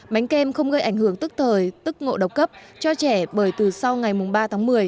bánh kem không gây ảnh hưởng tức thời tức ngộ độc cấp cho trẻ bởi từ sau ngày ba tháng một mươi